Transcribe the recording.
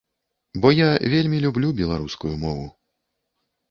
Бо я вельмі люблю беларускую мову.